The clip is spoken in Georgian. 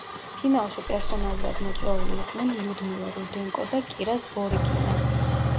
ფინალში პერსონალურად მოწვეული იყვნენ ლიუდმილა რუდენკო და კირა ზვორიკინა.